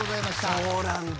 そうなんだ。